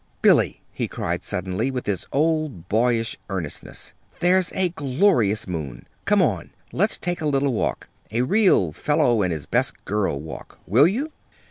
"Billy," he cried suddenly, with his old boyish eagerness, "there's a glorious moon. Come on! Let's take a little walk a real fellow and his best girl walk! Will you?"